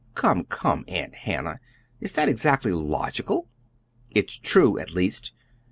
"Come, come, Aunt Hannah, is that exactly logical?" "It's true, at least."